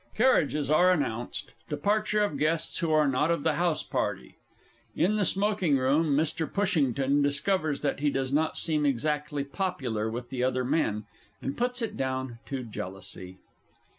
[Carriages are announced; departure of guests who are not of the house party. In the Smoking room, MR. PUSHINGTON discovers that he does not seem exactly popular with the other men, and puts it down to jealousy.